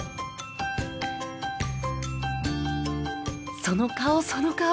その顔その顔！